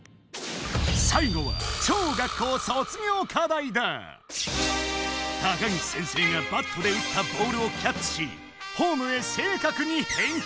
最後は高岸先生がバットで打ったボールをキャッチしホームへ正かくにへん球！